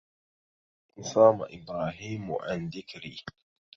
إن صام إبراهيم عن ذكري